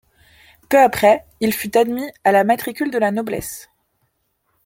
Peu après il fut admis à la matricule de la noblesse.